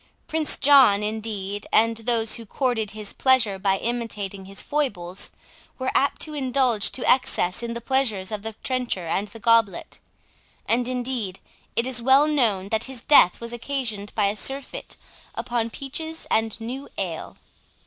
Prince John, indeed, and those who courted his pleasure by imitating his foibles, were apt to indulge to excess in the pleasures of the trencher and the goblet; and indeed it is well known that his death was occasioned by a surfeit upon peaches and new ale.